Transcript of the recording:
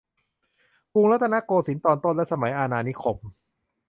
กรุงรัตนโกสินทร์ตอนต้นและสมัยอาณานิคม